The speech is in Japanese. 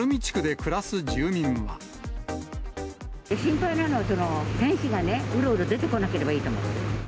心配なのは選手がね、うろうろ出てこなければいいと思う。